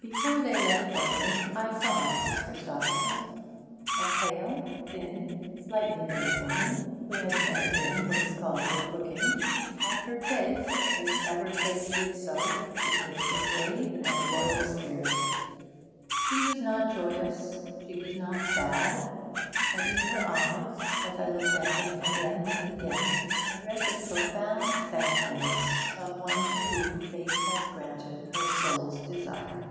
Before they left London, I saw Mrs. Christopherson a pale, thin, slightly made woman, who had never been what is called good looking, but her face, if ever face did so, declared a brave and loyal spirit. She was not joyous, she was not sad; but in her eyes, as I looked at them again and again, I read the profound thankfulness of one to whom fate has granted her soul's desire.